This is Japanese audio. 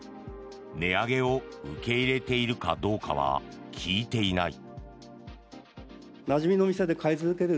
値上げを受け入れているかどうかは聞いていない。